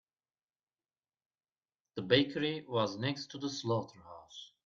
The bakery was next to the slaughterhouse.